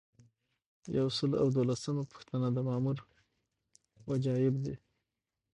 یو سل او دولسمه پوښتنه د مامور وجایب دي.